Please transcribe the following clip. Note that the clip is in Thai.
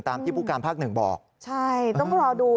ตามที่ปรุงการภาค๑บอกนะครับใช่ต้องรอดู